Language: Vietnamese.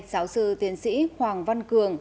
giáo sư tiến sĩ hoàng văn cường